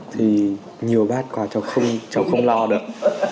thì nhiều bát quà cháu không lo được